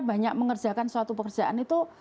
banyak mengerjakan suatu pekerjaan itu